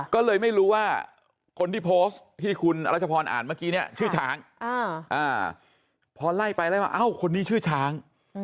ก็เลยไม่รู้ว่าคนที่โพสต์ที่คุณรัชพรอ่านเมื่อกี้เนี่ยชื่อช้างพอไล่ไปไล่มาเอ้าคนนี้ชื่อช้าง